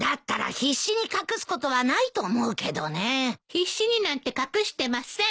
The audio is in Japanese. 必死になんて隠してません。